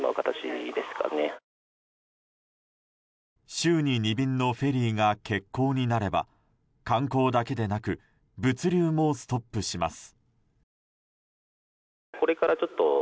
週に２便のフェリーが欠航になれば観光だけでなく物流もストップします。